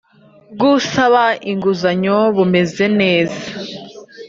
Bw usaba inguzanyo bumeze neza